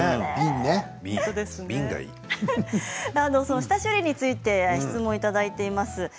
下処理について質問いただいています。